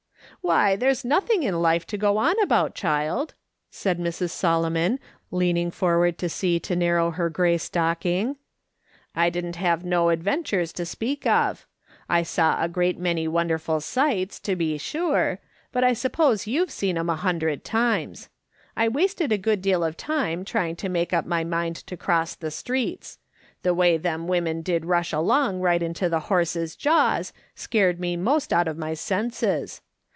"Why, there's nothing in life to go on about, child," said Mrs. Solomon, leaning forward to see to narrow her grey stocking. "I didn't have no ad ventures to speak of. I saw a great many wonder ful sights, to be sure; but I suppose you've seen them a biindred times. I wasted a good deal of time trying to make up my mind to cross the streets. The way them women did rush along right into the horses' jaws, scared me 'most out of my senses.